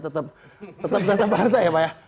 tetap tetap partai ya pak ya